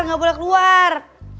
nggak boleh keluar